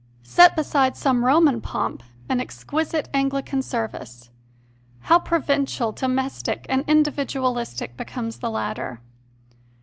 Set beside some Roman pomp an ex quisite Anglican service: how provincial, domestic, and individualistic becomes the latter!